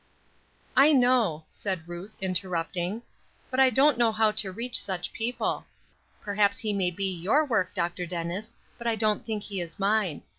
"I know," said Ruth, interrupting. "But I don't know how to reach such people. Perhaps he may be your work, Dr. Dennis, but I don't think he is mine.